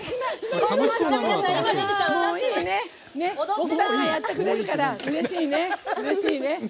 ２人がやってくれるからうれしいね。